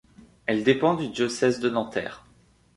Elle dépend du diocèse de Nanterre.